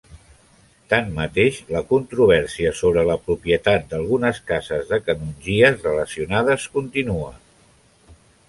Tanmateix, la controvèrsia sobre la propietat d'algunes cases de canongies relacionades, continua.